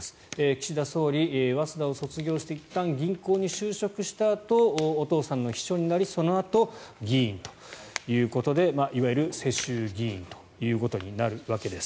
岸田総理、早稲田を卒業していったん銀行に就職したあとお父さんの秘書になりそのあと議員ということでいわゆる世襲議員ということになるわけです。